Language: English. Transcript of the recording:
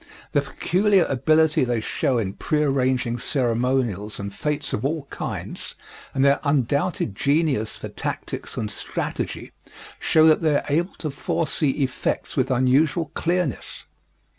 The peculiar ability they show in pre arranging ceremonials and fêtes of all kinds and their undoubted genius for tactics and strategy show that they are able to foresee effects with unusual clearness.